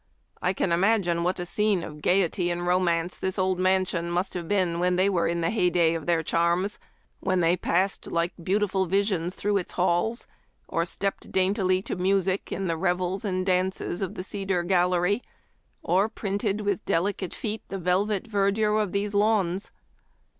I can imagine what a scene of gayety and romance this old mansion must have been when they were in the heyday of their charms ; when they passed like beauti ful visions through its halls, or stepped daintily to music in the revels and dances of the cedar gallery, or printed with delicate feet the velvet verdure of these lawns.